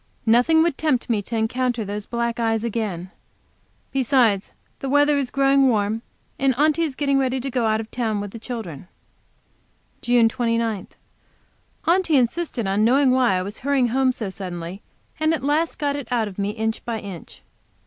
Nothing would tempt me to encounter those black eyes again. Besides, the weather is growing warm, and Aunty is getting ready to go out of town with the children. JUNE 29. Aunty insisted on knowing why I was hurrying home so suddenly, and at last got it out of me inch by inch.